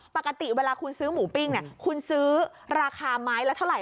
ปกติเวลาคุณซื้อหมูปิ้งเนี่ยคุณซื้อราคาไม้ละเท่าไห